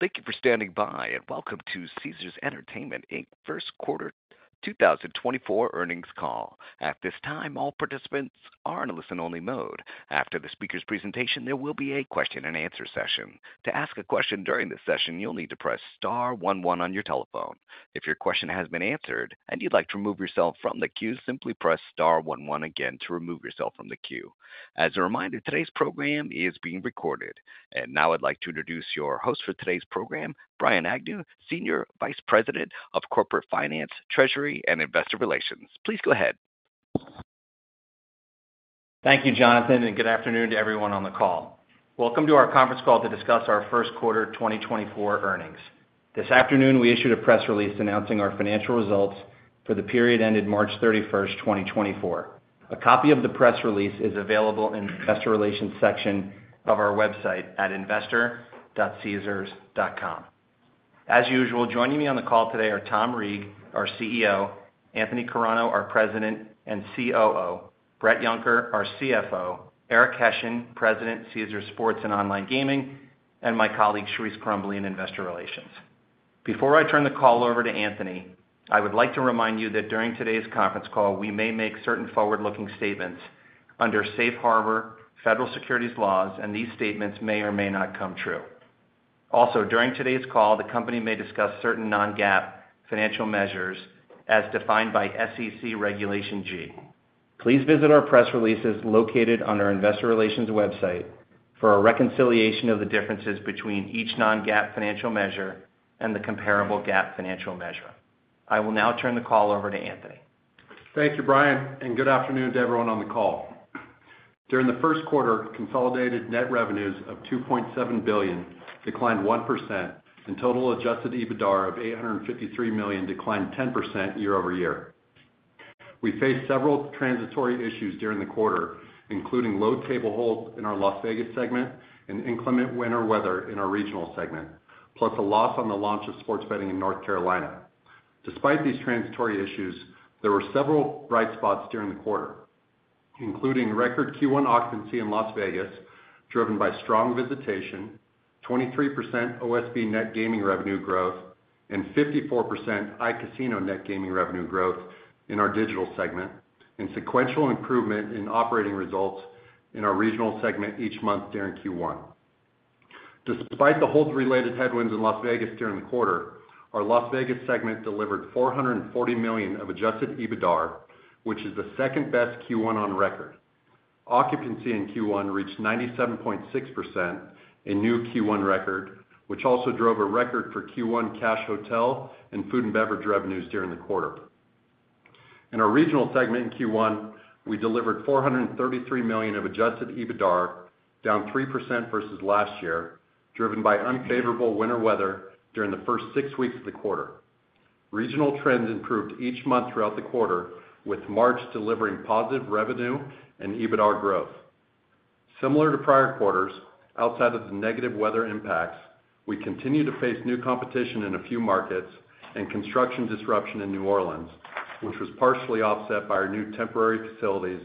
Thank you for standing by, and welcome to Caesars Entertainment, Inc. First Quarter 2024 Earnings Call. At this time, all participants are in a listen-only mode. After the speaker's presentation, there will be a question-and-answer session. To ask a question during this session, you'll need to press star one one on your telephone. If your question has been answered and you'd like to remove yourself from the queue, simply press star one one again to remove yourself from the queue. As a reminder, today's program is being recorded. Now I'd like to introduce your host for today's program, Brian Agnew, Senior Vice President of Corporate Finance, Treasury, and Investor Relations. Please go ahead. Thank you, Jonathan, and good afternoon to everyone on the call. Welcome to our conference call to discuss our first quarter 2024 earnings. This afternoon, we issued a press release announcing our financial results for the period ended March 31, 2024. A copy of the press release is available in the Investor Relations section of our website at investor.caesars.com. As usual, joining me on the call today are Tom Reeg, our CEO; Anthony Carano, our President and COO; Bret Yunker, our CFO; Eric Hession, President, Caesars Sports and Online Gaming; and my colleague Charise Crumbley in Investor Relations. Before I turn the call over to Anthony, I would like to remind you that during today's conference call, we may make certain forward-looking statements under safe harbor federal securities laws, and these statements may or may not come true. Also, during today's call, the company may discuss certain non-GAAP financial measures as defined by SEC Regulation G. Please visit our press releases located on our Investor Relations website for a reconciliation of the differences between each non-GAAP financial measure and the comparable GAAP financial measure. I will now turn the call over to Anthony. Thank you, Brian, and good afternoon to everyone on the call. During the first quarter, consolidated net revenues of $2.7 billion declined 1%, and total adjusted EBITDA of $853 million declined 10% year-over-year. We faced several transitory issues during the quarter, including low table holds in our Las Vegas segment and inclement winter weather in our regional segment, plus a loss on the launch of sports betting in North Carolina. Despite these transitory issues, there were several bright spots during the quarter, including record Q1 occupancy in Las Vegas driven by strong visitation, 23% OSB net gaming revenue growth and 54% iCasino net gaming revenue growth in our digital segment, and sequential improvement in operating results in our regional segment each month during Q1. Despite the holds-related headwinds in Las Vegas during the quarter, our Las Vegas segment delivered $440 million of Adjusted EBITDA, which is the second-best Q1 on record. Occupancy in Q1 reached 97.6%, a new Q1 record, which also drove a record for Q1 cash hotel and food and beverage revenues during the quarter. In our regional segment in Q1, we delivered $433 million of Adjusted EBITDA, down 3% versus last year, driven by unfavorable winter weather during the first six weeks of the quarter. Regional trends improved each month throughout the quarter, with March delivering positive revenue and EBITDA growth. Similar to prior quarters, outside of the negative weather impacts, we continue to face new competition in a few markets and construction disruption in New Orleans, which was partially offset by our new temporary facilities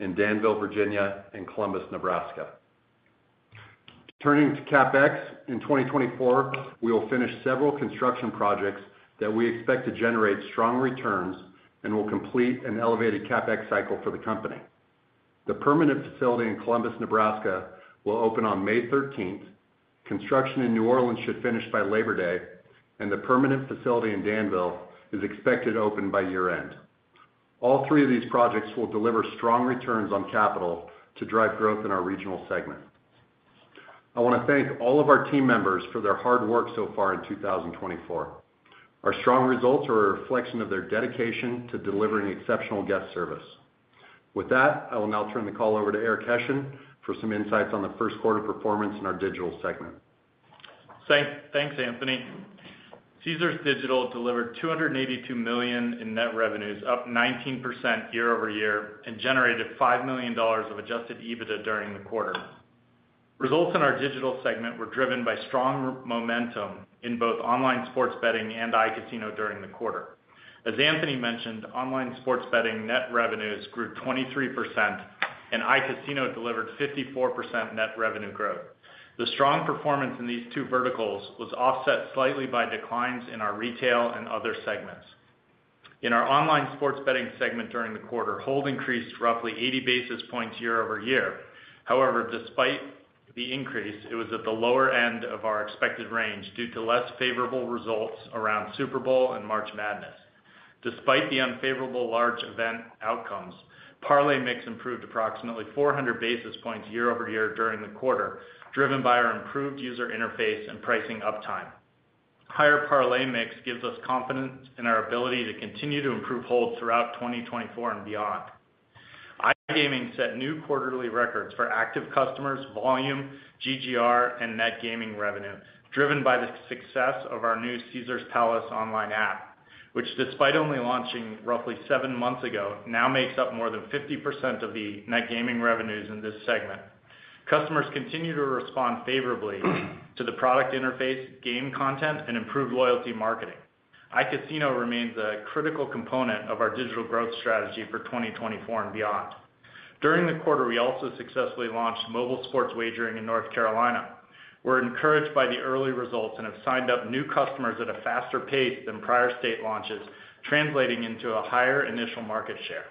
in Danville, Virginia, and Columbus, Nebraska. Turning to CapEx, in 2024, we will finish several construction projects that we expect to generate strong returns and will complete an elevated CapEx cycle for the company. The permanent facility in Columbus, Nebraska, will open on May 13th. Construction in New Orleans should finish by Labor Day, and the permanent facility in Danville is expected open by year-end. All three of these projects will deliver strong returns on capital to drive growth in our regional segment. I want to thank all of our team members for their hard work so far in 2024. Our strong results are a reflection of their dedication to delivering exceptional guest service. With that, I will now turn the call over to Eric Hession for some insights on the first quarter performance in our Digital segment. Thanks, Anthony. Caesars Digital delivered $282 million in net revenues, up 19% year-over-year, and generated $5 million of Adjusted EBITDA during the quarter. Results in our digital segment were driven by strong momentum in both online sports betting and iCasino during the quarter. As Anthony mentioned, online sports betting net revenues grew 23%, and iCasino delivered 54% net revenue growth. The strong performance in these two verticals was offset slightly by declines in our retail and other segments. In our online sports betting segment during the quarter, hold increased roughly 80 basis points year-over-year. However, despite the increase, it was at the lower end of our expected range due to less favorable results around Super Bowl and March Madness. Despite the unfavorable large event outcomes, parlay mix improved approximately 400 basis points year-over-year during the quarter, driven by our improved user interface and pricing uptime. Higher parlay mix gives us confidence in our ability to continue to improve holds throughout 2024 and beyond. iGaming set new quarterly records for active customers, volume, GGR, and net gaming revenue, driven by the success of our new Caesars Palace Online app, which, despite only launching roughly seven months ago, now makes up more than 50% of the net gaming revenues in this segment. Customers continue to respond favorably to the product interface, game content, and improved loyalty marketing. iCasino remains a critical component of our digital growth strategy for 2024 and beyond. During the quarter, we also successfully launched mobile sports wagering in North Carolina. We're encouraged by the early results and have signed up new customers at a faster pace than prior state launches, translating into a higher initial market share.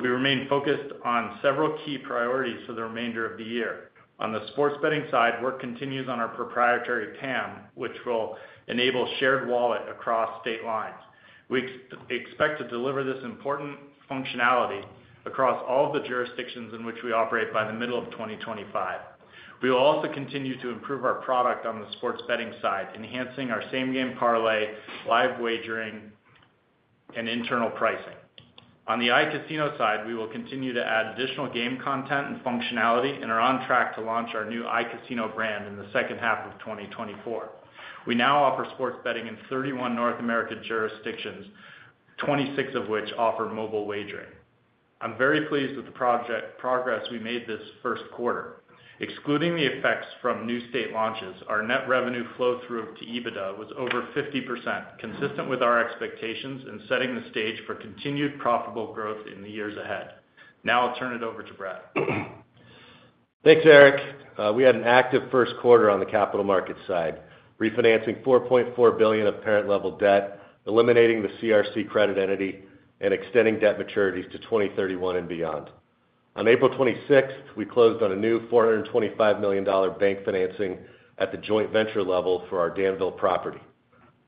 We remain focused on several key priorities for the remainder of the year. On the sports betting side, work continues on our proprietary PAM, which will enable shared wallet across state lines. We expect to deliver this important functionality across all of the jurisdictions in which we operate by the middle of 2025. We will also continue to improve our product on the sports betting side, enhancing our same-game parlay, live wagering, and internal pricing. On the iCasino side, we will continue to add additional game content and functionality and are on track to launch our new iCasino brand in the second half of 2024. We now offer sports betting in 31 North American jurisdictions, 26 of which offer mobile wagering. I'm very pleased with the progress we made this first quarter. Excluding the effects from new state launches, our net revenue flow-through to EBITDA was over 50%, consistent with our expectations and setting the stage for continued profitable growth in the years ahead. Now I'll turn it over to Bret. Thanks, Eric. We had an active first quarter on the capital markets side, refinancing $4.4 billion of parent-level debt, eliminating the CRC credit entity, and extending debt maturities to 2031 and beyond. On April 26th, we closed on a new $425 million bank financing at the joint venture level for our Danville property.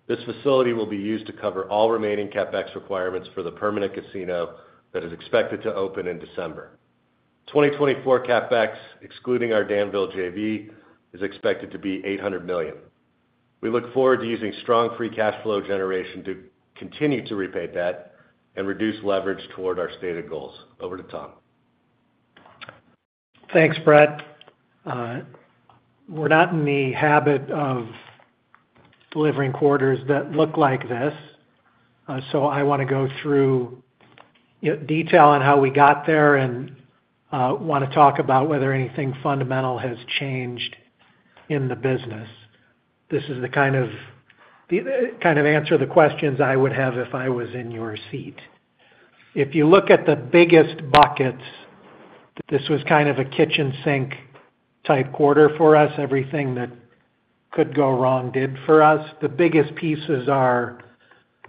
This facility will be used to cover all remaining CapEx requirements for the permanent casino that is expected to open in December 2024. CapEx, excluding our Danville JV, is expected to be $800 million. We look forward to using strong free cash flow generation to continue to repay debt and reduce leverage toward our stated goals. Over to Tom. Thanks, Bret. We're not in the habit of delivering quarters that look like this, so I want to go through detail on how we got there and want to talk about whether anything fundamental has changed in the business. This is the kind of answer to the questions I would have if I was in your seat. If you look at the biggest buckets, this was kind of a kitchen sink type quarter for us. Everything that could go wrong did for us. The biggest pieces are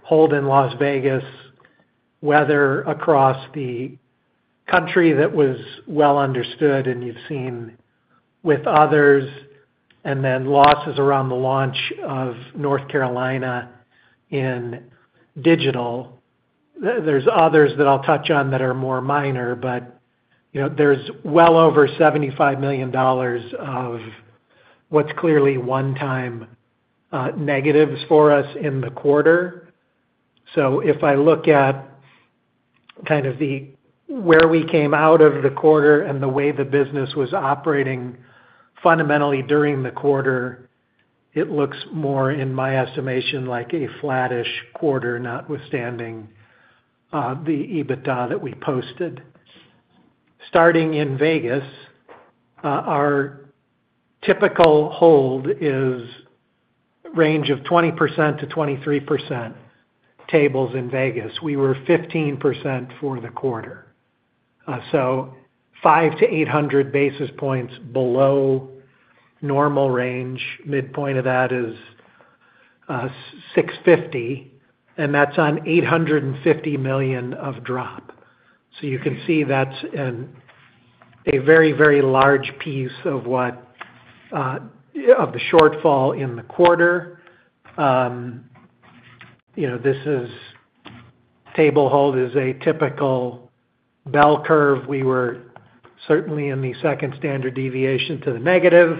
hold in Las Vegas, weather across the country that was well understood and you've seen with others, and then losses around the launch of North Carolina in digital. There's others that I'll touch on that are more minor, but there's well over $75 million of what's clearly one-time negatives for us in the quarter. So if I look at kind of where we came out of the quarter and the way the business was operating fundamentally during the quarter, it looks more, in my estimation, like a flat-ish quarter notwithstanding the EBITDA that we posted. Starting in Vegas, our typical hold is a range of 20%-23% table hold in Vegas. We were 15% for the quarter, so 500-800 basis points below normal range. Midpoint of that is $650 million, and that's an $850 million drop. So you can see that's a very, very large piece of the shortfall in the quarter. This table hold is a typical bell curve. We were certainly in the second standard deviation to the negative.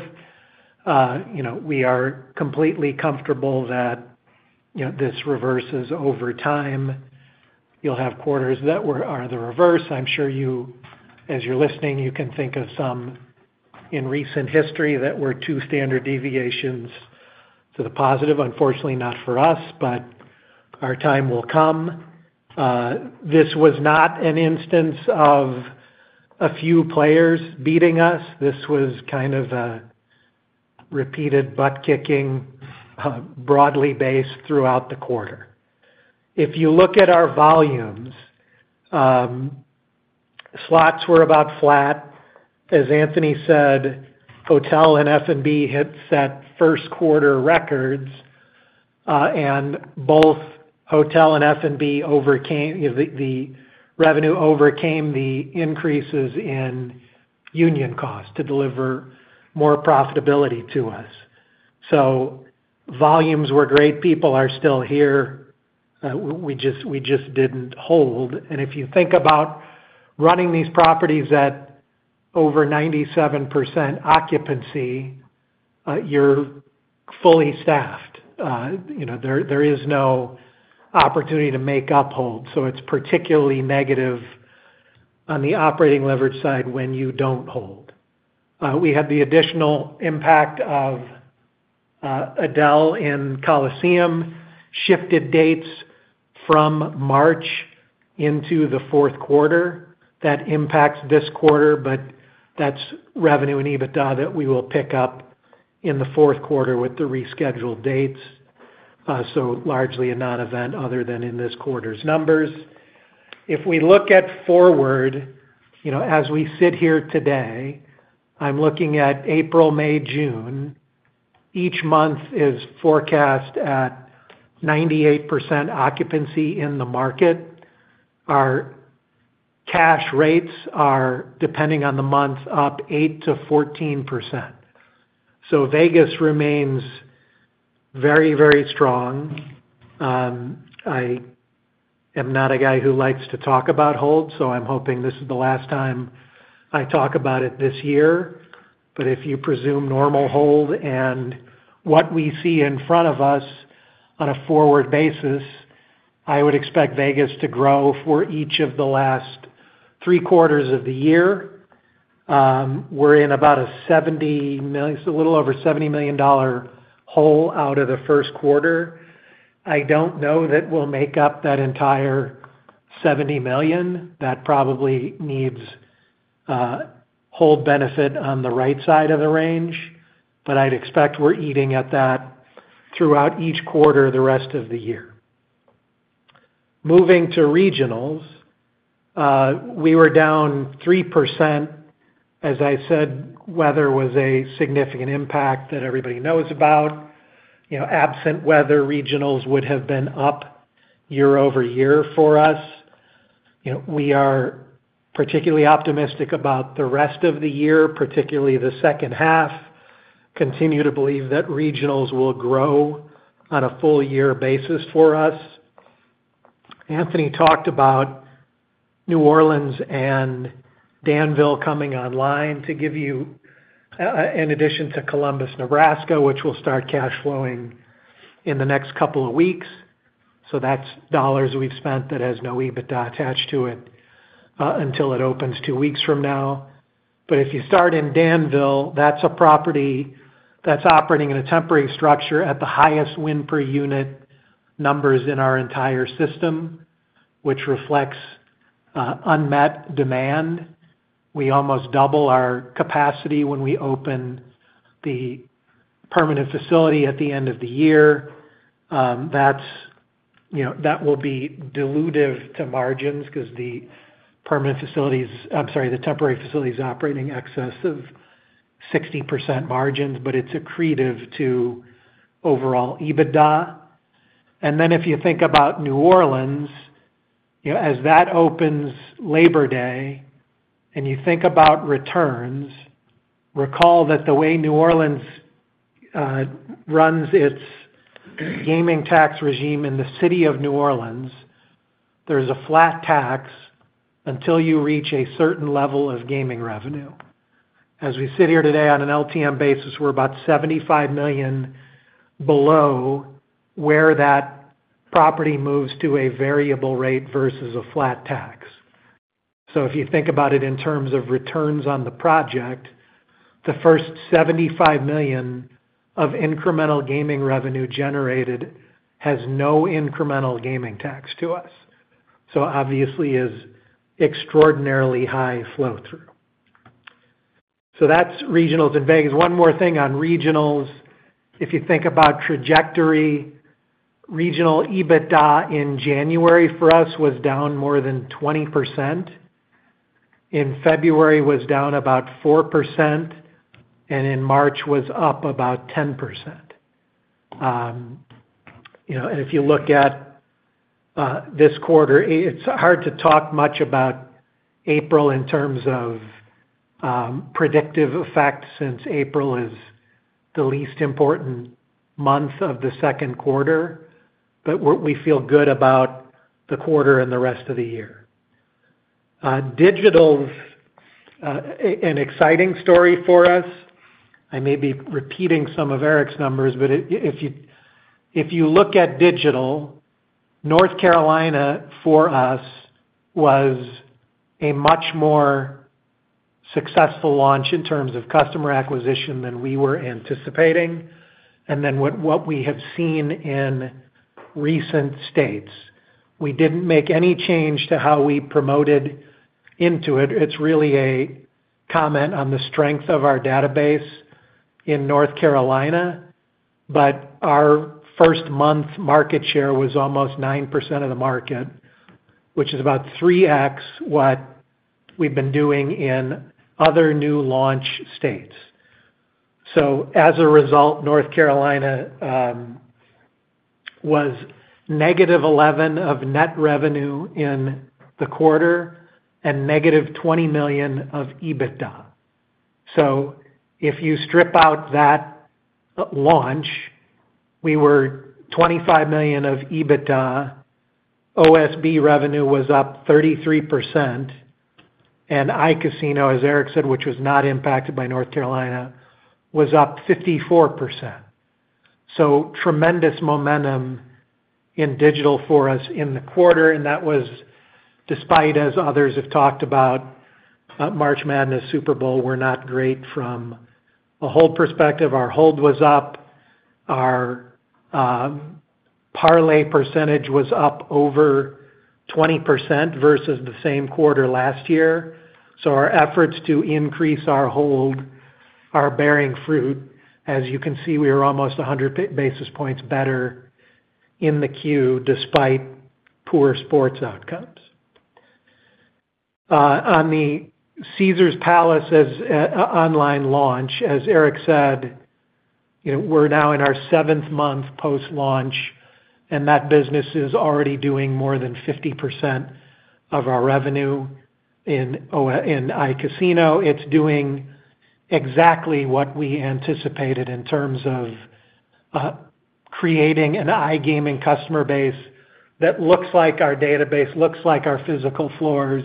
We are completely comfortable that this reverses over time. You'll have quarters that are the reverse. I'm sure as you're listening, you can think of some in recent history that were two standard deviations to the positive. Unfortunately, not for us, but our time will come. This was not an instance of a few players beating us. This was kind of a repeated butt-kicking broadly based throughout the quarter. If you look at our volumes, slots were about flat. As Anthony said, hotel and F&B hit that first-quarter records, and both hotel and F&B overcame the revenue overcame the increases in union costs to deliver more profitability to us. So volumes were great. People are still here. We just didn't hold. And if you think about running these properties at over 97% occupancy, you're fully staffed. There is no opportunity to make up holds, so it's particularly negative on the operating leverage side when you don't hold. We had the additional impact of Adele in Colosseum shifted dates from March into the fourth quarter. That impacts this quarter, but that's revenue and EBITDA that we will pick up in the fourth quarter with the rescheduled dates, so largely a non-event other than in this quarter's numbers. If we look at forward, as we sit here today, I'm looking at April, May, June. Each month is forecast at 98% occupancy in the market. Our cash rates are, depending on the month, up 8%-14%. So Vegas remains very, very strong. I am not a guy who likes to talk about holds, so I'm hoping this is the last time I talk about it this year. But if you presume normal hold and what we see in front of us on a forward basis, I would expect Vegas to grow for each of the last three quarters of the year. We're in about a $70 million; it's a little over $70 million hold out of the first quarter. I don't know that we'll make up that entire $70 million. That probably needs hold benefit on the right side of the range, but I'd expect we're eating at that throughout each quarter the rest of the year. Moving to regionals, we were down 3%. As I said, weather was a significant impact that everybody knows about. Absent weather, regionals would have been up year-over-year for us. We are particularly optimistic about the rest of the year, particularly the second half. Continue to believe that regionals will grow on a full-year basis for us. Anthony talked about New Orleans and Danville coming online to give you in addition to Columbus, Nebraska, which will start cash flowing in the next couple of weeks. So that's dollars we've spent that has no EBITDA attached to it until it opens two weeks from now. But if you start in Danville, that's a property that's operating in a temporary structure at the highest win-per-unit numbers in our entire system, which reflects unmet demand. We almost double our capacity when we open the permanent facility at the end of the year. That will be dilutive to margins because the permanent facility's I'm sorry, the temporary facility's operating excessive 60% margins, but it's accretive to overall EBITDA. And then if you think about New Orleans, as that opens Labor Day and you think about returns, recall that the way New Orleans runs its gaming tax regime in the city of New Orleans, there's a flat tax until you reach a certain level of gaming revenue. As we sit here today on an LTM basis, we're about $75 million below where that property moves to a variable rate versus a flat tax. So if you think about it in terms of returns on the project, the first $75 million of incremental gaming revenue generated has no incremental gaming tax to us, so obviously is extraordinarily high flow-through. So that's regionals in Vegas. One more thing on regionals. If you think about trajectory, regional EBITDA in January for us was down more than 20%. In February, it was down about 4%, and in March, it was up about 10%. And if you look at this quarter, it's hard to talk much about April in terms of predictive effect since April is the least important month of the second quarter, but we feel good about the quarter and the rest of the year. Digital's an exciting story for us. I may be repeating some of Eric's numbers, but if you look at digital, North Carolina for us was a much more successful launch in terms of customer acquisition than we were anticipating. And then what we have seen in recent states, we didn't make any change to how we promoted into it. It's really a comment on the strength of our database in North Carolina. But our first month market share was almost 9% of the market, which is about 3x what we've been doing in other new launch states. So as a result, North Carolina was -$11 million of net revenue in the quarter and -$20 million of EBITDA. So if you strip out that launch, we were $25 million of EBITDA. OSB revenue was up 33%. And iCasino, as Eric said, which was not impacted by North Carolina, was up 54%. So tremendous momentum in digital for us in the quarter, and that was despite, as others have talked about, March Madness Super Bowl were not great from a hold perspective. Our hold was up. Our parlay percentage was up over 20% versus the same quarter last year. So our efforts to increase our hold are bearing fruit. As you can see, we are almost 100 basis points better in the Q despite poor sports outcomes. On the Caesars Palace Online launch, as Eric said, we're now in our seventh month post-launch, and that business is already doing more than 50% of our revenue in iCasino. It's doing exactly what we anticipated in terms of creating an iGaming customer base that looks like our database, looks like our physical floors,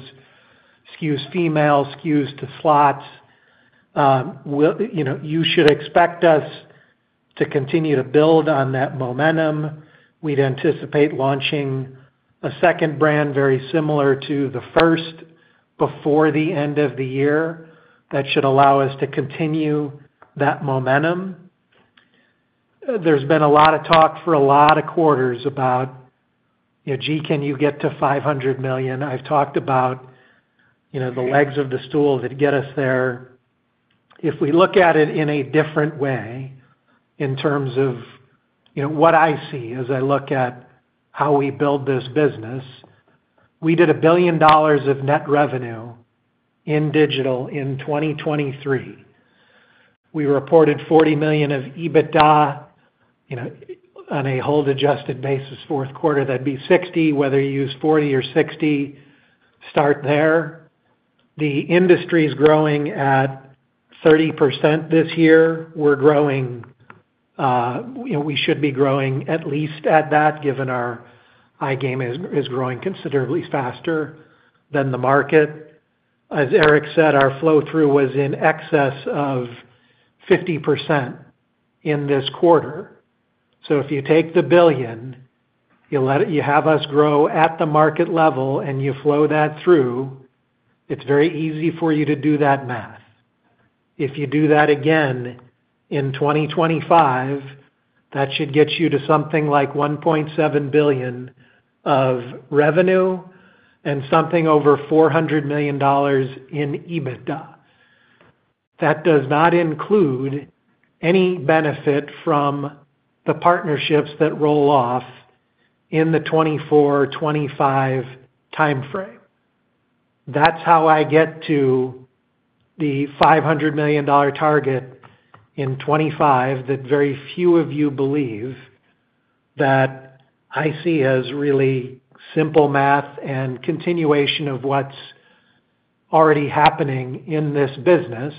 excuse me, female skew to slots. You should expect us to continue to build on that momentum. We'd anticipate launching a second brand very similar to the first before the end of the year. That should allow us to continue that momentum. There's been a lot of talk for a lot of quarters about, "Gee, can you get to $500 million?" I've talked about the legs of the stool that get us there. If we look at it in a different way in terms of what I see as I look at how we build this business, we did $1 billion of net revenue in digital in 2023. We reported $40 million of EBITDA on a hold-adjusted basis fourth quarter. That'd be $60 million, whether you use $40 million or $60 million, start there. The industry's growing at 30% this year. We're growing, we should be growing at least at that given our iGaming is growing considerably faster than the market. As Eric said, our flow-through was in excess of 50% in this quarter. So if you take the $1 billion, you have us grow at the market level, and you flow that through, it's very easy for you to do that math. If you do that again in 2025, that should get you to something like $1.7 billion of revenue and something over $400 million in EBITDA. That does not include any benefit from the partnerships that roll off in the 2024, 2025 timeframe. That's how I get to the $500 million target in 2025 that very few of you believe that I see as really simple math and continuation of what's already happening in this business.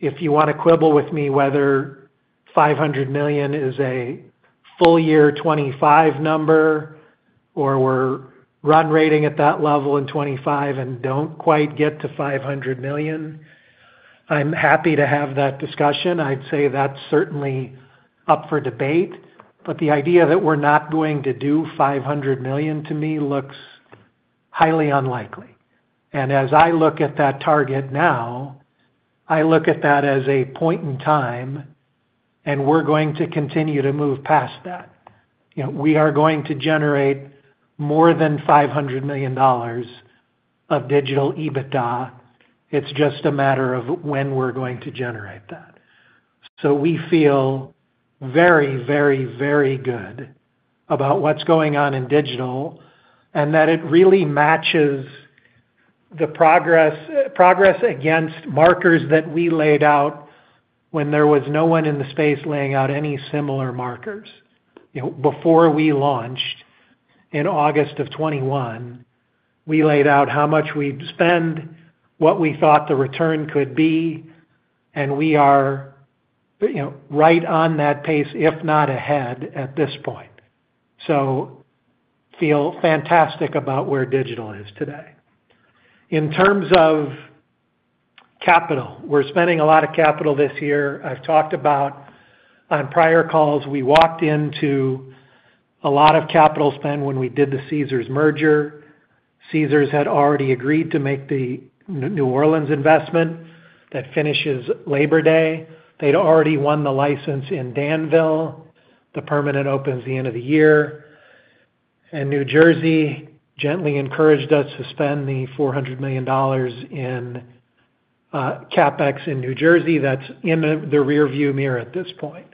If you want to quibble with me whether $500 million is a full-year 2025 number or we're run rating at that level in 2025 and don't quite get to $500 million, I'm happy to have that discussion. I'd say that's certainly up for debate. But the idea that we're not going to do $500 million to me looks highly unlikely. As I look at that target now, I look at that as a point in time, and we're going to continue to move past that. We are going to generate more than $500 million of digital EBITDA. It's just a matter of when we're going to generate that. So we feel very, very, very good about what's going on in digital and that it really matches the progress against markers that we laid out when there was no one in the space laying out any similar markers. Before we launched in August of 2021, we laid out how much we'd spend, what we thought the return could be, and we are right on that pace, if not ahead, at this point. So feel fantastic about where digital is today. In terms of capital, we're spending a lot of capital this year. I've talked about on prior calls, we walked into a lot of capital spend when we did the Caesars merger. Caesars had already agreed to make the New Orleans investment that finishes Labor Day. They'd already won the license in Danville. The permanent opens the end of the year. New Jersey gently encouraged us to spend the $400 million in CapEx in New Jersey. That's in the rearview mirror at this point.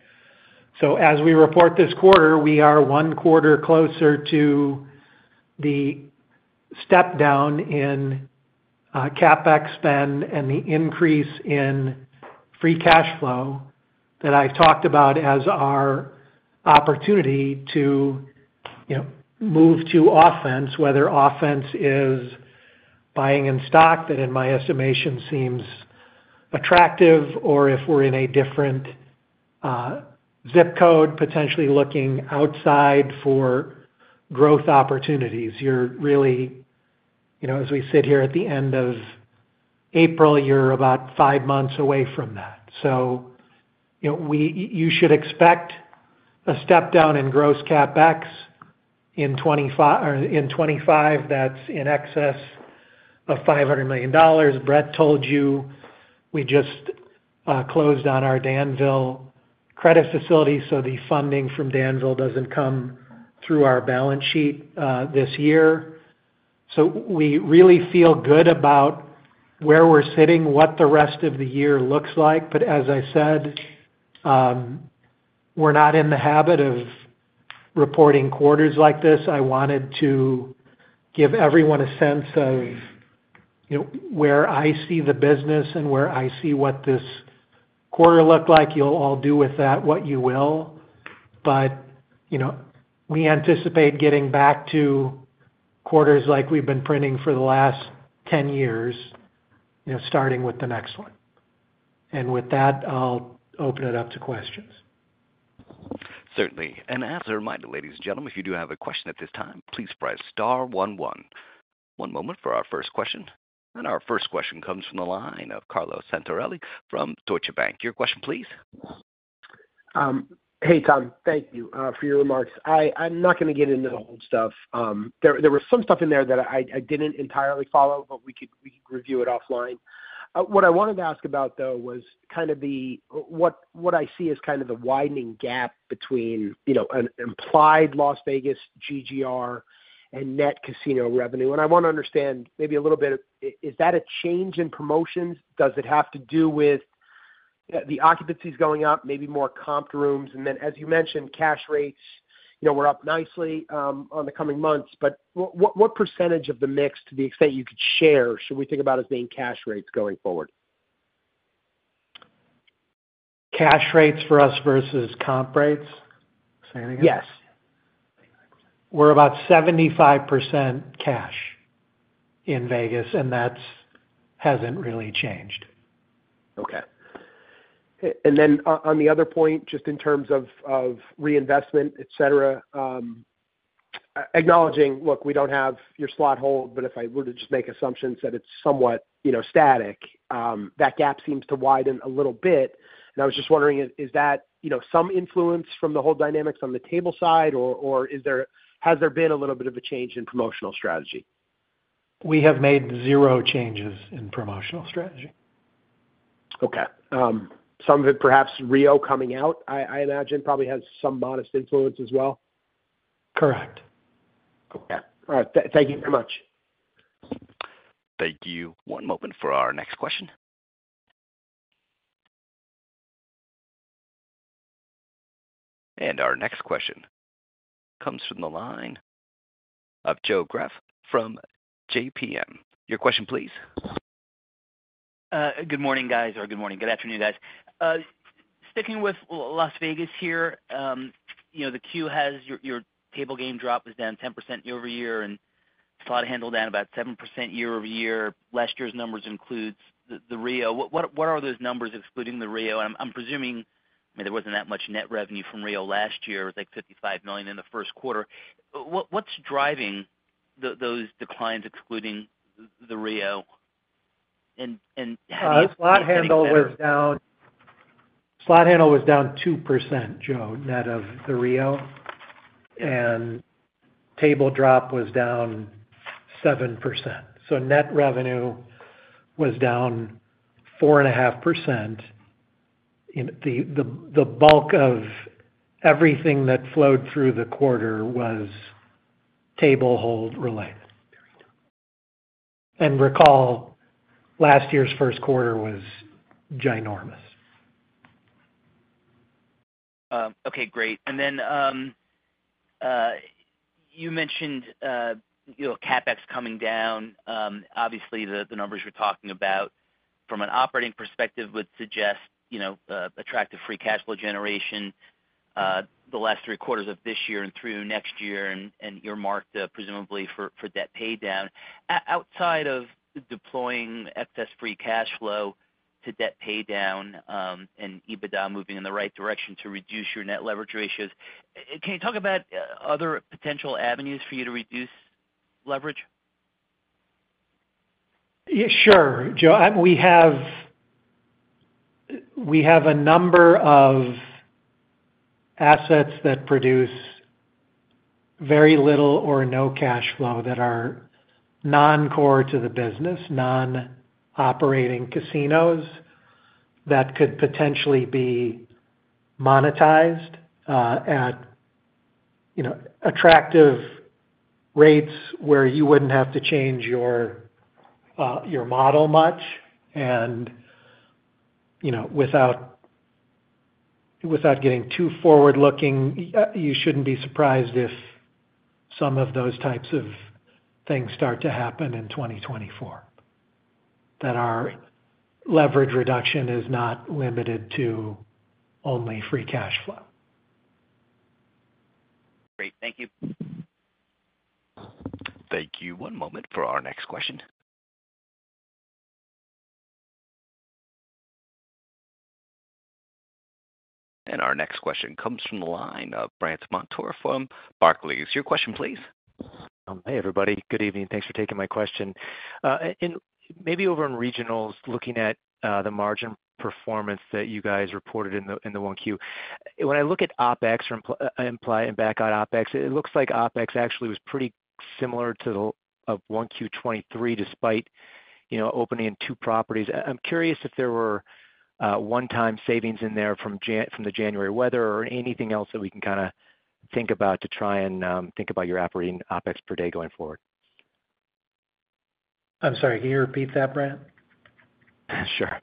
As we report this quarter, we are one quarter closer to the step down in CapEx spend and the increase in free cash flow that I've talked about as our opportunity to move to offense, whether offense is buying in stock that, in my estimation, seems attractive or if we're in a different zip code, potentially looking outside for growth opportunities. As we sit here at the end of April, you're about five months away from that. So you should expect a step down in gross CapEx in 2025. That's in excess of $500 million. Bret told you we just closed on our Danville credit facility, so the funding from Danville doesn't come through our balance sheet this year. So we really feel good about where we're sitting, what the rest of the year looks like. But as I said, we're not in the habit of reporting quarters like this. I wanted to give everyone a sense of where I see the business and where I see what this quarter looked like. You'll all do with that what you will. But we anticipate getting back to quarters like we've been printing for the last 10 years, starting with the next one. And with that, I'll open it up to questions. Certainly. And as a reminder, ladies and gentlemen, if you do have a question at this time, please press star one one. One moment for our first question. And our first question comes from the line of Carlo Santarelli from Deutsche Bank. Your question, please. Hey, Tom. Thank you for your remarks. I'm not going to get into the whole stuff. There was some stuff in there that I didn't entirely follow, but we could review it offline. What I wanted to ask about, though, was kind of what I see as kind of the widening gap between implied Las Vegas GGR and net casino revenue. And I want to understand maybe a little bit of is that a change in promotions? Does it have to do with the occupancy's going up, maybe more comped rooms? And then, as you mentioned, cash rates, we're up nicely on the coming months. But what percentage of the mix, to the extent you could share, should we think about as being cash rates going forward? Cash rates for us versus comp rates? Say that again. Yes. We're about 75% cash in Vegas, and that hasn't really changed. Okay. And then on the other point, just in terms of reinvestment, etc., acknowledging, "Look, we don't have your slot hold," but if I were to just make assumptions that it's somewhat static, that gap seems to widen a little bit. And I was just wondering, is that some influence from the hold dynamics on the table side, or has there been a little bit of a change in promotional strategy? We have made zero changes in promotional strategy. Okay. Some of it, perhaps Rio coming out, I imagine, probably has some modest influence as well? Correct. Okay. All right. Thank you very much. Thank you. One moment for our next question. Our next question comes from the line of Joe Greff from JPM. Your question, please. Good morning, guys, or good morning, good afternoon, guys. Sticking with Las Vegas here, the queue has your table game drop was down 10% year-over-year, and slot handle down about 7% year-over-year. Last year's numbers include the Rio. What are those numbers excluding the Rio? And I'm presuming, I mean, there wasn't that much net revenue from Rio last year. It was like $55 million in the first quarter. What's driving those declines excluding the Rio? And how do you think? Slot handle was down 2%, Joe, net of the Rio. Table drop was down 7%. Net revenue was down 4.5%. The bulk of everything that flowed through the quarter was table hold related. Recall, last year's first quarter was ginormous. Okay. Great. And then you mentioned CapEx coming down. Obviously, the numbers we're talking about, from an operating perspective, would suggest attractive free cash flow generation the last three quarters of this year and through next year, and you're marked, presumably, for debt paydown. Outside of deploying excess free cash flow to debt paydown and EBITDA moving in the right direction to reduce your net leverage ratios, can you talk about other potential avenues for you to reduce leverage? Yeah, sure, Joe. We have a number of assets that produce very little or no cash flow that are non-core to the business, non-operating casinos that could potentially be monetized at attractive rates where you wouldn't have to change your model much. And without getting too forward-looking, you shouldn't be surprised if some of those types of things start to happen in 2024, that our leverage reduction is not limited to only free cash flow. Great. Thank you. Thank you. One moment for our next question. Our next question comes from the line of Brandt Montour from Barclays. Your question, please. Hey, everybody. Good evening. Thanks for taking my question. Maybe over in regionals, looking at the margin performance that you guys reported in the 1Q, when I look at OpEx or implied and back-end OpEx, it looks like OpEx actually was pretty similar to the 1Q 2023 despite opening in two properties. I'm curious if there were one-time savings in there from the January weather or anything else that we can kind of think about to try and think about your operating OpEx per day going forward. I'm sorry. Can you repeat that, Brandt? Sure.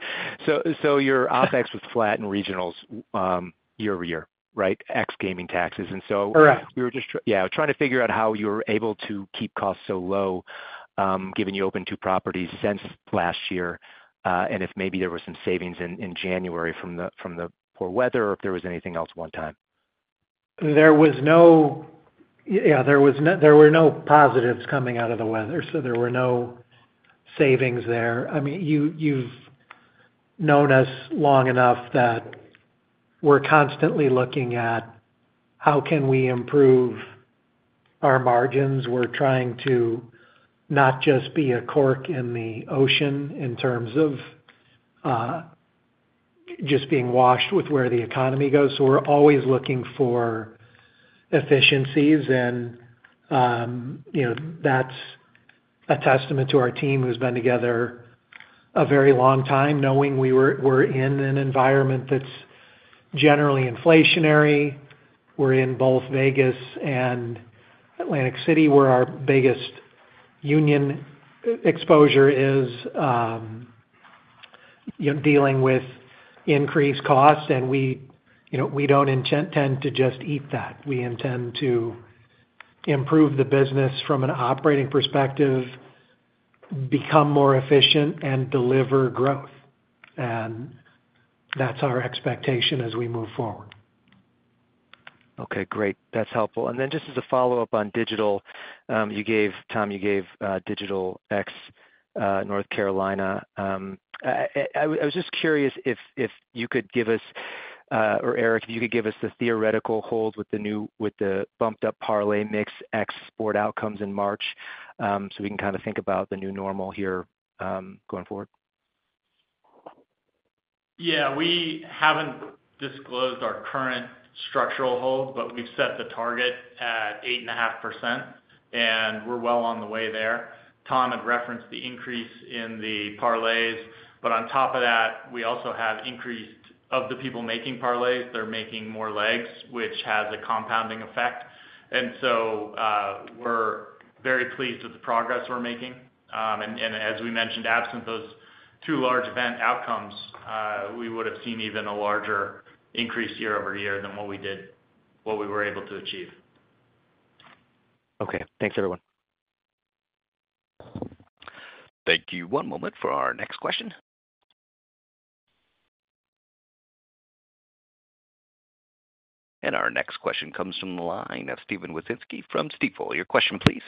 So your OpEx was flat in regionals year-over-year, right, ex-gaming taxes. And so we were just trying to figure out how you were able to keep costs so low given you opened two properties since last year and if maybe there were some savings in January from the poor weather or if there was anything else one time. Yeah, there were no positives coming out of the weather, so there were no savings there. I mean, you've known us long enough that we're constantly looking at how can we improve our margins. We're trying to not just be a cork in the ocean in terms of just being washed with where the economy goes. So we're always looking for efficiencies. And that's a testament to our team who's been together a very long time knowing we're in an environment that's generally inflationary. We're in both Vegas and Atlantic City where our biggest union exposure is dealing with increased cost. And we don't tend to just eat that. We intend to improve the business from an operating perspective, become more efficient, and deliver growth. And that's our expectation as we move forward. Okay. Great. That's helpful. And then just as a follow-up on digital, Tom, you gave digital ex-North Carolina. I was just curious if you could give us or Eric, if you could give us the theoretical hold with the bumped-up parlay mix ex-sport outcomes in March so we can kind of think about the new normal here going forward? Yeah. We haven't disclosed our current structural hold, but we've set the target at 8.5%, and we're well on the way there. Tom had referenced the increase in the parlays. But on top of that, we also have an increase in the people making parlays, they're making more legs, which has a compounding effect. And so we're very pleased with the progress we're making. And as we mentioned, absent those two large event outcomes, we would have seen even a larger increase year-over-year than what we were able to achieve. Okay. Thanks, everyone. Thank you. One moment for our next question. Our next question comes from the line of Steven Wieczynski from Stifel. Your question, please.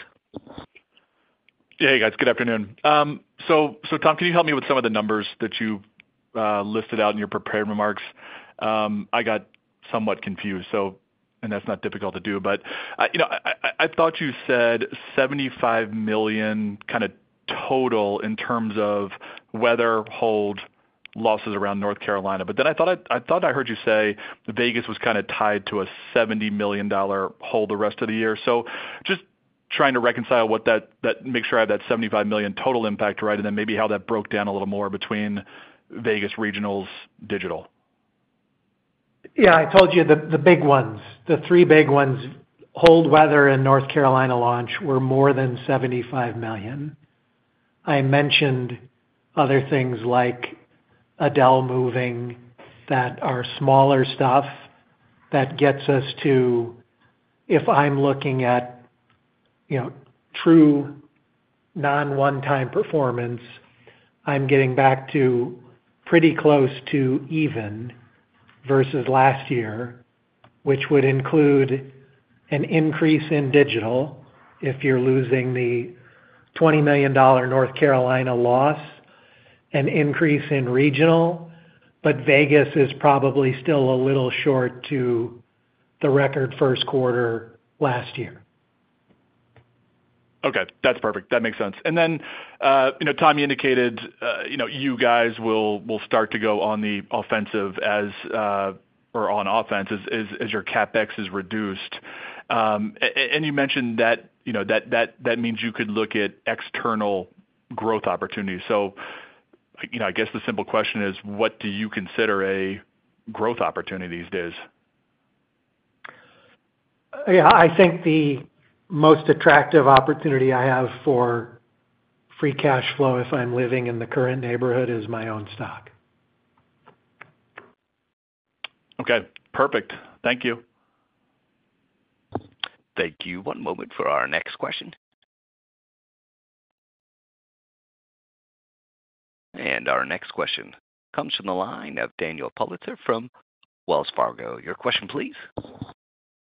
Hey, guys. Good afternoon. So Tom, can you help me with some of the numbers that you listed out in your prepared remarks? I got somewhat confused, and that's not difficult to do. But I thought you said $75 million kind of total in terms of weather hold losses around North Carolina. But then I thought I heard you say Vegas was kind of tied to a $70 million hold the rest of the year. So just trying to reconcile that, make sure I have that $75 million total impact right, and then maybe how that broke down a little more between Vegas, regionals, digital. Yeah. I told you the big ones, the three big ones, hold, weather, and North Carolina launch were more than $75 million. I mentioned other things like Adele moving, that are smaller stuff that gets us to if I'm looking at true non-one-time performance, I'm getting back to pretty close to even versus last year, which would include an increase in digital if you're losing the $20 million North Carolina loss, an increase in regional, but Vegas is probably still a little short to the record first quarter last year. Okay. That's perfect. That makes sense. And then, Tom, you indicated you guys will start to go on the offensive or on offense as your CapEx is reduced. And you mentioned that means you could look at external growth opportunities. So I guess the simple question is, what do you consider a growth opportunity these days? Yeah. I think the most attractive opportunity I have for free cash flow if I'm living in the current neighborhood is my own stock. Okay. Perfect. Thank you. Thank you. One moment for our next question. Our next question comes from the line of Daniel Politzer from Wells Fargo. Your question, please.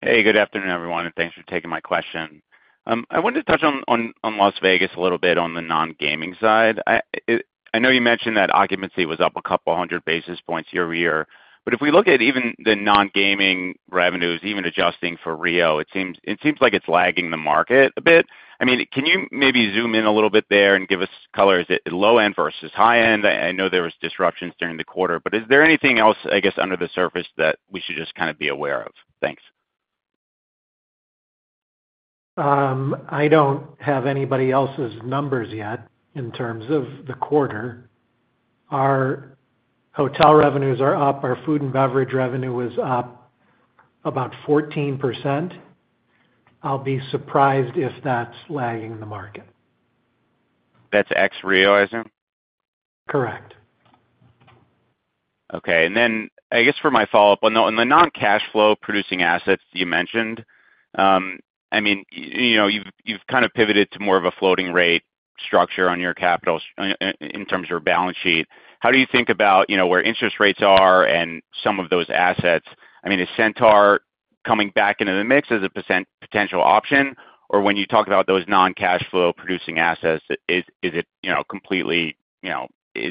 Hey. Good afternoon, everyone, and thanks for taking my question. I wanted to touch on Las Vegas a little bit on the non-gaming side. I know you mentioned that occupancy was up 200 basis points year-over-year. But if we look at even the non-gaming revenues, even adjusting for Rio, it seems like it's lagging the market a bit. I mean, can you maybe zoom in a little bit there and give us color? Is it low-end versus high-end? I know there was disruptions during the quarter. But is there anything else, I guess, under the surface that we should just kind of be aware of? Thanks. I don't have anybody else's numbers yet in terms of the quarter. Our hotel revenues are up. Our food and beverage revenue is up about 14%. I'll be surprised if that's lagging the market. That's ex-Rio, I assume? Correct. Okay. Then I guess for my follow-up, on the non-cash flow producing assets you mentioned, I mean, you've kind of pivoted to more of a floating-rate structure on your capital in terms of your balance sheet. How do you think about where interest rates are and some of those assets? I mean, is Centaur coming back into the mix as a potential option? Or when you talk about those non-cash flow producing assets, is it completely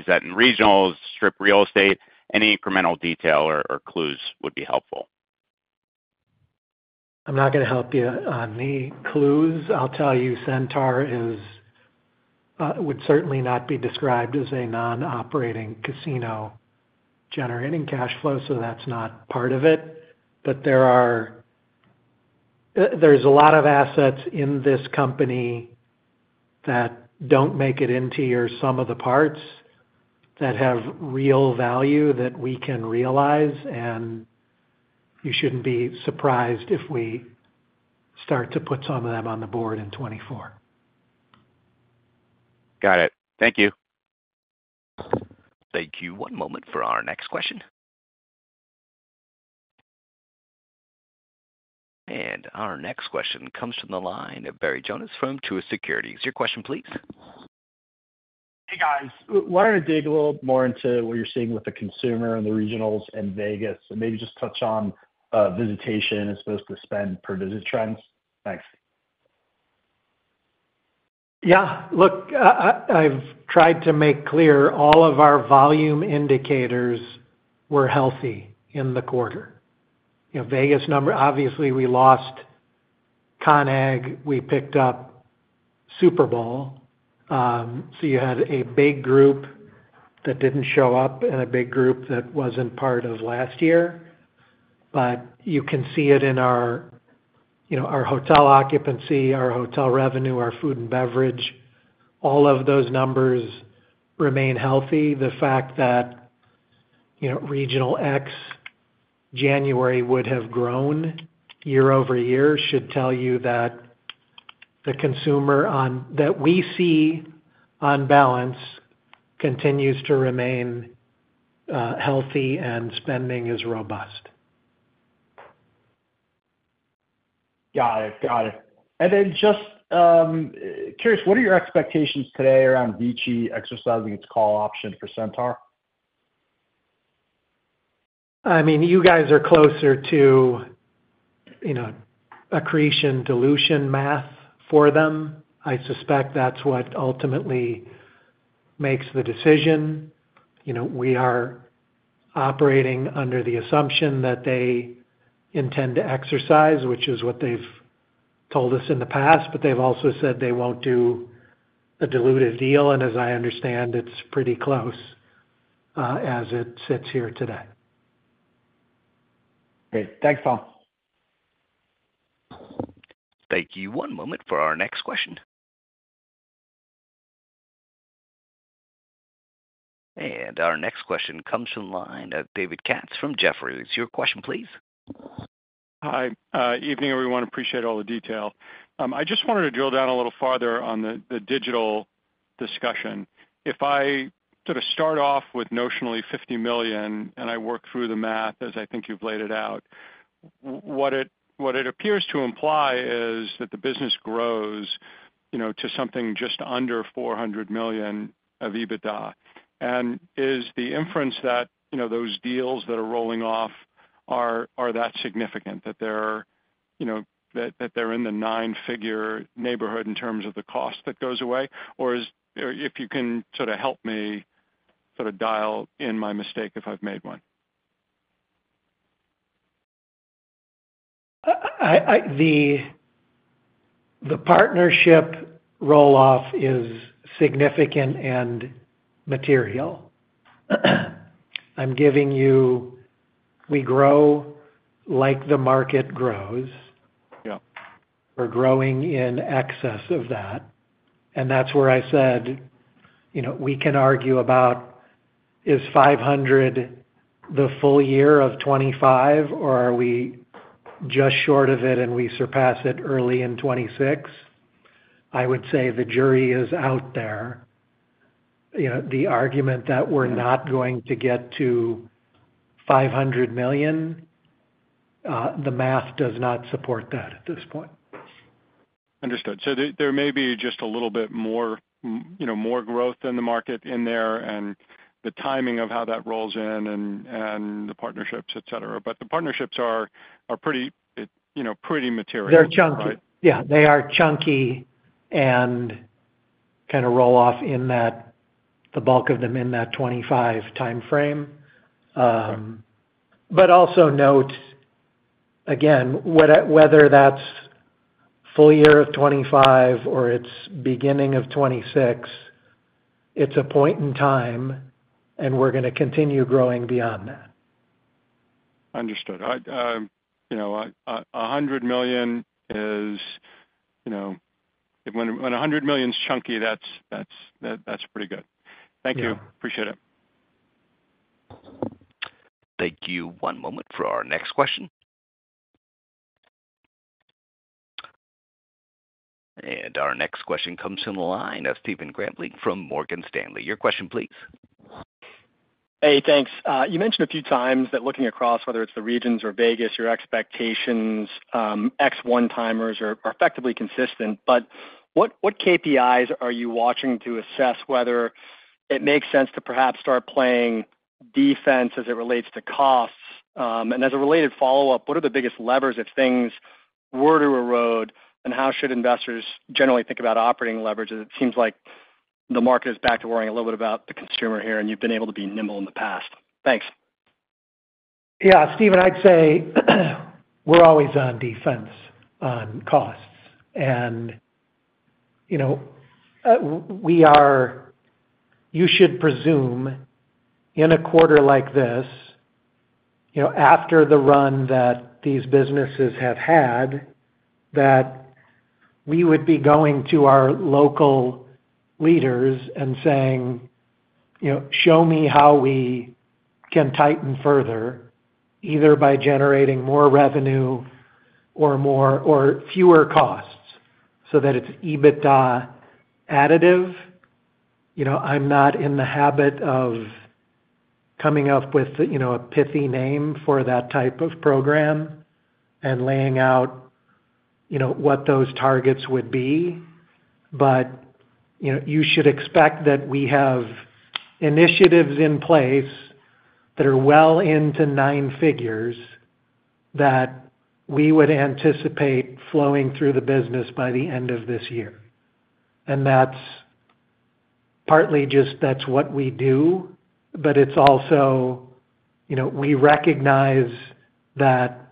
that in regionals, strip real estate? Any incremental detail or clues would be helpful. I'm not going to help you on the clues. I'll tell you Centaur would certainly not be described as a non-operating casino generating cash flow, so that's not part of it. But there's a lot of assets in this company that don't make it into or sum of the parts that have real value that we can realize. And you shouldn't be surprised if we start to put some of them on the board in 2024. Got it. Thank you. Thank you. One moment for our next question. Our next question comes from the line of Barry Jonas from Truist Securities. Your question, please. Hey, guys. Why don't I dig a little more into what you're seeing with the consumer and the regionals and Vegas and maybe just touch on visitation as opposed to spend per visit trends? Thanks. Yeah. Look, I've tried to make clear all of our volume indicators were healthy in the quarter. Vegas number, obviously, we lost CON/AGG. We picked up Super Bowl. So you had a big group that didn't show up and a big group that wasn't part of last year. But you can see it in our hotel occupancy, our hotel revenue, our food and beverage. All of those numbers remain healthy. The fact that regional ex-January would have grown year-over-year should tell you that the consumer that we see on balance continues to remain healthy and spending is robust. Got it. Got it. And then just curious, what are your expectations today around VICI exercising its call option for Centaur? I mean, you guys are closer to accretion-dilution math for them. I suspect that's what ultimately makes the decision. We are operating under the assumption that they intend to exercise, which is what they've told us in the past. But they've also said they won't do a diluted deal. And as I understand, it's pretty close as it sits here today. Great. Thanks, Tom. Thank you. One moment for our next question. Our next question comes from the line of David Katz from Jefferies. Your question, please. Hi. Evening, everyone. Appreciate all the detail. I just wanted to drill down a little farther on the digital discussion. If I sort of start off with notionally $50 million and I work through the math as I think you've laid it out, what it appears to imply is that the business grows to something just under $400 million of EBITDA. And is the inference that those deals that are rolling off are that significant, that they're in the nine-figure neighborhood in terms of the cost that goes away? Or if you can sort of help me sort of dial in my mistake if I've made one. The partnership roll-off is significant and material. I'm giving you we grow like the market grows. We're growing in excess of that. And that's where I said we can argue about is $500 million the full year of 2025, or are we just short of it and we surpass it early in 2026? I would say the jury is out there. The argument that we're not going to get to $500 million, the math does not support that at this point. Understood. So there may be just a little bit more growth in the market in there and the timing of how that rolls in and the partnerships, etc. But the partnerships are pretty material. They're chunky. Yeah. They are chunky and kind of roll off in that the bulk of them in that 2025 timeframe. But also note, again, whether that's full year of 2025 or it's beginning of 2026, it's a point in time, and we're going to continue growing beyond that. Understood. A $100 million is- when $100 million's chunky, that's pretty good. Thank you. Appreciate it. Thank you. One moment for our next question. Our next question comes from the line of Stephen Grambling from Morgan Stanley. Your question, please. Hey. Thanks. You mentioned a few times that looking across, whether it's the regions or Vegas, your expectations, ex-one-timers are effectively consistent. But what KPIs are you watching to assess whether it makes sense to perhaps start playing defense as it relates to costs? And as a related follow-up, what are the biggest levers if things were to erode, and how should investors generally think about operating leverage? It seems like the market is back to worrying a little bit about the consumer here, and you've been able to be nimble in the past. Thanks. Yeah. Stephen, I'd say we're always on defense, on costs. And you should presume in a quarter like this, after the run that these businesses have had, that we would be going to our local leaders and saying, "Show me how we can tighten further, either by generating more revenue or fewer costs so that it's EBITDA additive." I'm not in the habit of coming up with a pithy name for that type of program and laying out what those targets would be. But you should expect that we have initiatives in place that are well into nine figures that we would anticipate flowing through the business by the end of this year. And partly, just that's what we do. But it's also we recognize that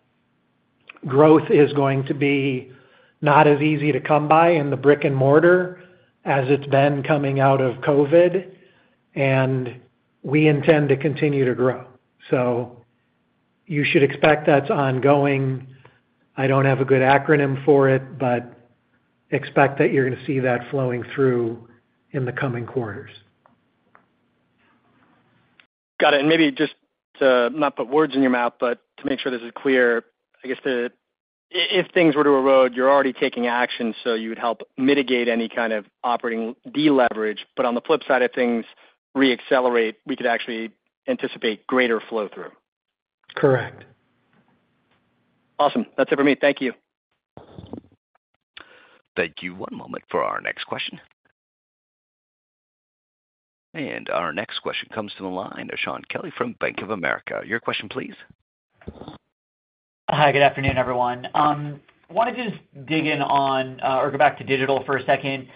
growth is going to be not as easy to come by in the brick and mortar as it's been coming out of COVID. We intend to continue to grow. You should expect that's ongoing. I don't have a good acronym for it, but expect that you're going to see that flowing through in the coming quarters. Got it. Maybe just to not put words in your mouth, but to make sure this is clear, I guess if things were to erode, you're already taking action so you would help mitigate any kind of operating de-leverage. On the flip side, if things re-accelerate, we could actually anticipate greater flow-through. Correct. Awesome. That's it for me. Thank you. Thank you. One moment for our next question. Our next question comes from the line of Shaun Kelley from Bank of America. Your question, please. Hi. Good afternoon, everyone. Wanted to just dig in on or go back to digital for a second.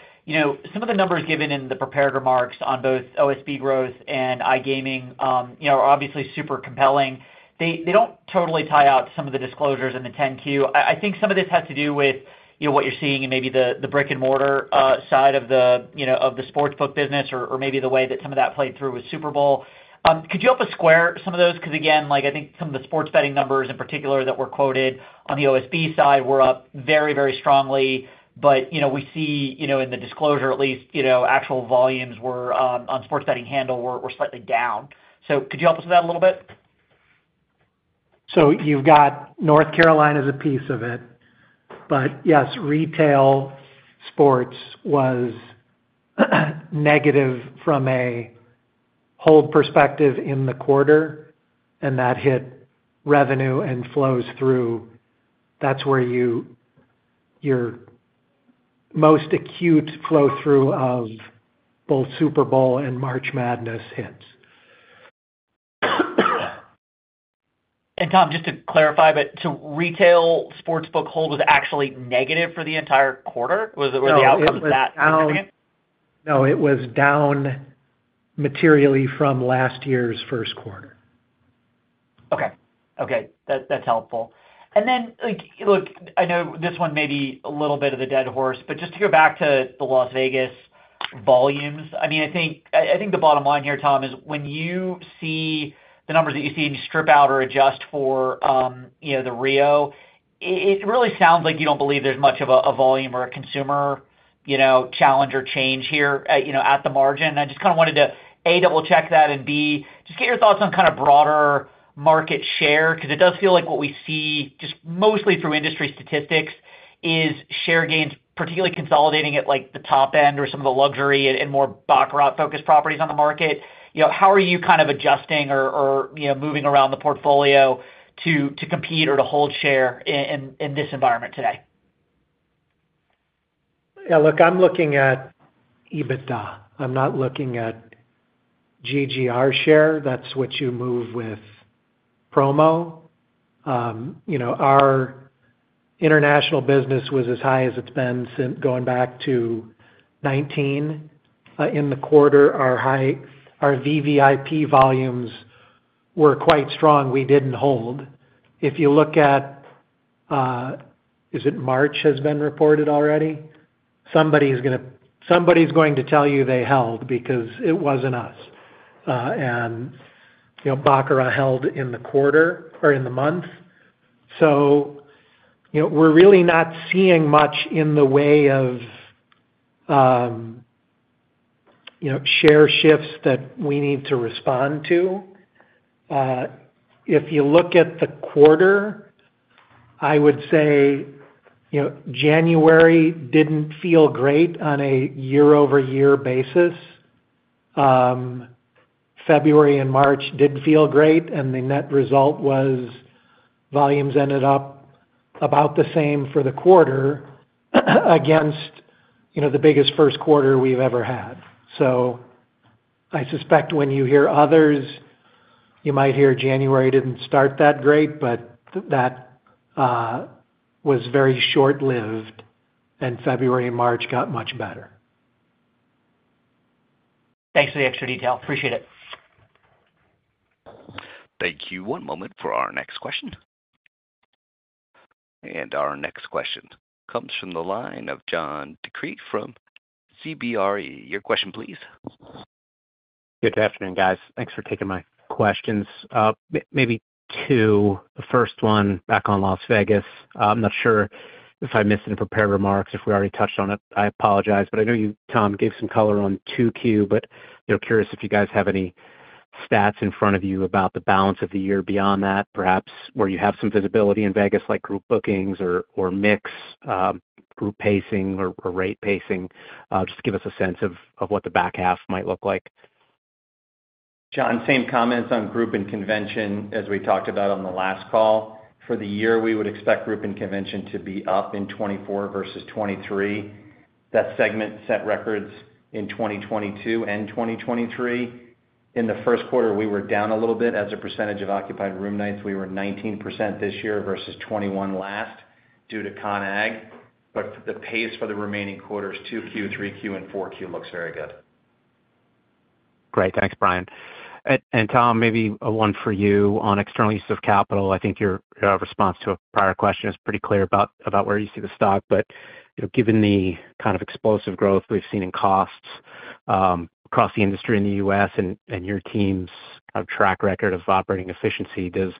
Some of the numbers given in the prepared remarks on both OSB growth and iGaming are obviously super compelling. They don't totally tie out some of the disclosures in the 10-Q. I think some of this has to do with what you're seeing in maybe the brick-and-mortar side of the sportsbook business or maybe the way that some of that played through with Super Bowl. Could you help us square some of those? Because again, I think some of the sports betting numbers in particular that were quoted on the OSB side were up very, very strongly. But we see in the disclosure, at least, actual volumes on sports betting handle were slightly down. So could you help us with that a little bit? So you've got North Carolina as a piece of it. But yes, retail sports was negative from a hold perspective in the quarter. And that hit revenue and flows through. That's where your most acute flow-through of both Super Bowl and March Madness hits. Tom, just to clarify, but so retail sportsbook hold was actually negative for the entire quarter? Were the outcomes that significant? No. It was down materially from last year's first quarter. Okay. Okay. That's helpful. And then look, I know this one may be a little bit of the dead horse, but just to go back to the Las Vegas volumes, I mean, I think the bottom line here, Tom, is when you see the numbers that you see and you strip out or adjust for the Rio, it really sounds like you don't believe there's much of a volume or a consumer challenge or change here at the margin. And I just kind of wanted to, A, double-check that, and B, just get your thoughts on kind of broader market share because it does feel like what we see just mostly through industry statistics is share gains, particularly consolidating at the top end or some of the luxury and more brick-and-mortar-focused properties on the market. How are you kind of adjusting or moving around the portfolio to compete or to hold share in this environment today? Yeah. Look, I'm looking at EBITDA. I'm not looking at GGR share. That's what you move with promo. Our international business was as high as it's been since going back to 2019. In the quarter, our VVIP volumes were quite strong. We didn't hold. If you look at, is it March has been reported already? Somebody's going to tell you they held because it wasn't us. And Baccarat held in the quarter or in the month. So we're really not seeing much in the way of share shifts that we need to respond to. If you look at the quarter, I would say January didn't feel great on a year-over-year basis. February and March didn't feel great. And the net result was volumes ended up about the same for the quarter against the biggest first quarter we've ever had. So I suspect when you hear others, you might hear January didn't start that great, but that was very short-lived. February and March got much better. Thanks for the extra detail. Appreciate it. Thank you. One moment for our next question. Our next question comes from the line of John DeCree from CBRE. Your question, please. Good afternoon, guys. Thanks for taking my questions. Maybe two. The first one, back on Las Vegas. I'm not sure if I missed any prepared remarks, if we already touched on it. I apologize. But I know you, Tom, gave some color on 2Q, but curious if you guys have any stats in front of you about the balance of the year beyond that, perhaps where you have some visibility in Vegas like group bookings or mix, group pacing, or rate pacing. Just give us a sense of what the back half might look like. John, same comments on group and convention as we talked about on the last call. For the year, we would expect group and convention to be up in 2024 versus 2023. That segment set records in 2022 and 2023. In the first quarter, we were down a little bit. As a percentage of occupied room nights, we were 19% this year versus 21% last due to CON/AGG. But the pace for the remaining quarters, 2Q, 3Q, and 4Q, looks very good. Great. Thanks, Brian. And Tom, maybe one for you on external use of capital. I think your response to a prior question is pretty clear about where you see the stock. But given the kind of explosive growth we've seen in costs across the industry in the U.S. and your team's kind of track record of operating efficiency, does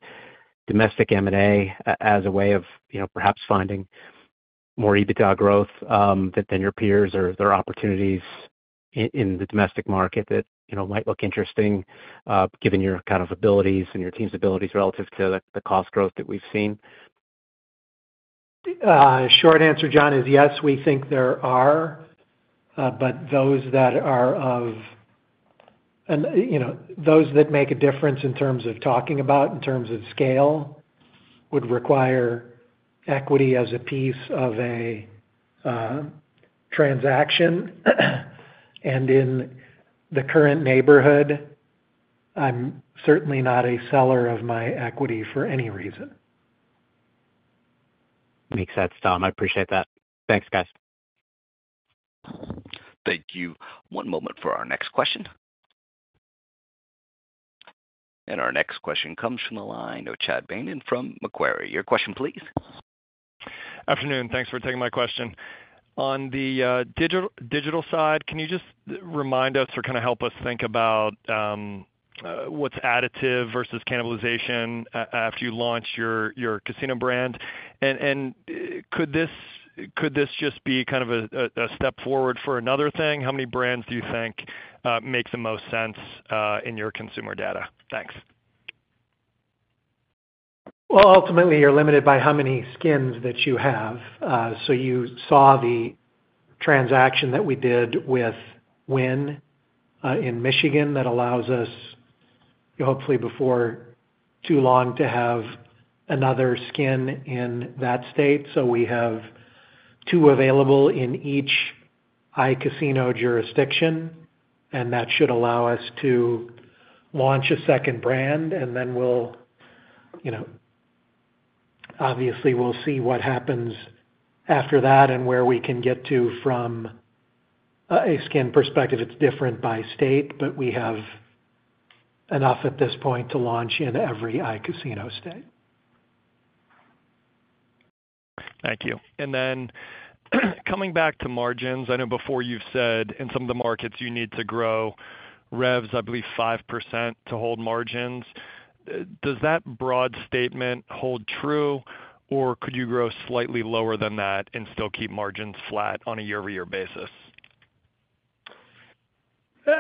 domestic M&A as a way of perhaps finding more EBITDA growth than your peers? Are there opportunities in the domestic market that might look interesting given your kind of abilities and your team's abilities relative to the cost growth that we've seen? Short answer, John, is yes, we think there are. But those that are off and those that make a difference in terms of talking about, in terms of scale, would require equity as a piece of a transaction. And in the current neighborhood, I'm certainly not a seller of my equity for any reason. Makes sense, Tom. I appreciate that. Thanks, guys. Thank you. One moment for our next question. Our next question comes from the line. Chad Beynon from Macquarie. Your question, please. Afternoon. Thanks for taking my question. On the digital side, can you just remind us or kind of help us think about what's additive versus cannibalization after you launched your casino brand? Could this just be kind of a step forward for another thing? How many brands do you think make the most sense in your consumer data? Thanks. Well, ultimately, you're limited by how many skins that you have. So you saw the transaction that we did with Wynn in Michigan that allows us, hopefully before too long, to have another skin in that state. So we have two available in each iCasino jurisdiction. And that should allow us to launch a second brand. And then obviously, we'll see what happens after that and where we can get to from a skin perspective. It's different by state, but we have enough at this point to launch in every iCasino state. Thank you. And then coming back to margins, I know before you've said in some of the markets, you need to grow revenues, I believe, 5% to hold margins. Does that broad statement hold true, or could you grow slightly lower than that and still keep margins flat on a year-over-year basis?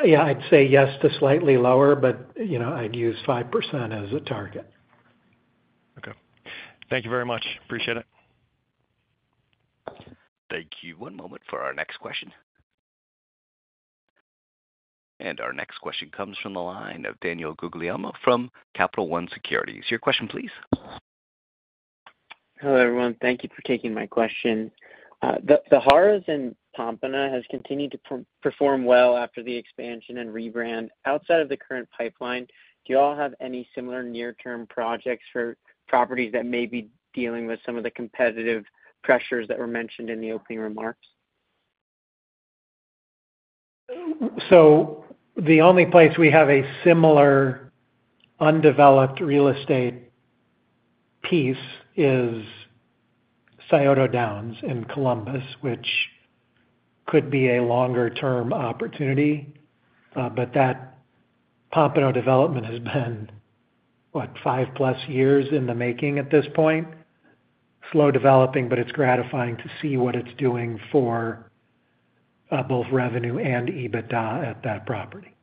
Yeah. I'd say yes to slightly lower, but I'd use 5% as a target. Okay. Thank you very much. Appreciate it. Thank you. One moment for our next question. And our next question comes from the line of Daniel Guglielmo from Capital One Securities. Your question, please. Hello, everyone. Thank you for taking my question. The Harrah's Pompano has continued to perform well after the expansion and rebrand. Outside of the current pipeline, do you all have any similar near-term projects for properties that may be dealing with some of the competitive pressures that were mentioned in the opening remarks? The only place we have a similar undeveloped real estate piece is Scioto Downs in Columbus, which could be a longer-term opportunity. But that Pompano development has been, what, 5+ years in the making at this point, slow developing, but it's gratifying to see what it's doing for both revenue and EBITDA at that property.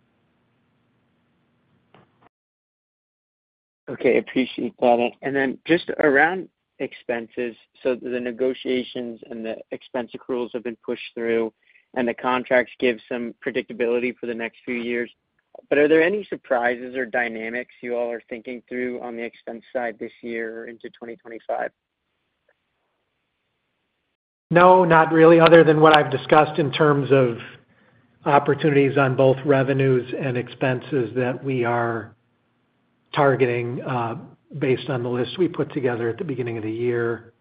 Okay. Appreciate that. And then just around expenses, so the negotiations and the expense accruals have been pushed through, and the contracts give some predictability for the next few years. But are there any surprises or dynamics you all are thinking through on the expense side this year or into 2025? No, not really, other than what I've discussed in terms of opportunities on both revenues and expenses that we are targeting based on the list we put together at the beginning of the year.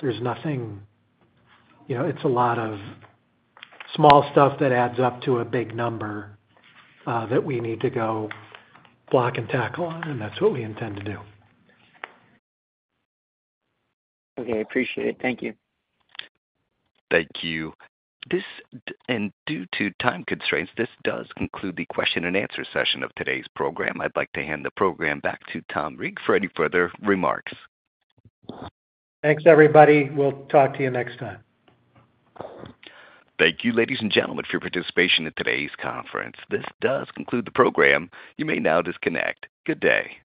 There's nothing. It's a lot of small stuff that adds up to a big number that we need to go block and tackle on. That's what we intend to do. Okay. Appreciate it. Thank you. Thank you. Due to time constraints, this does conclude the question-and-answer session of today's program. I'd like to hand the program back to Tom Reeg for any further remarks. Thanks, everybody. We'll talk to you next time. Thank you, ladies and gentlemen, for your participation in today's conference. This does conclude the program. You may now disconnect. Good day.